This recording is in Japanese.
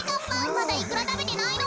まだイクラたべてないの。